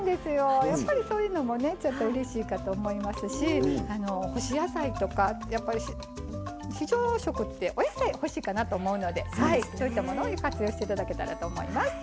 やっぱり、そういうのもうれしいと思いますし干し野菜とか非常食って、お野菜欲しいかなと思うのでそういったものに活用していただけたらと思います。